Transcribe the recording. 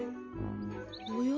おや？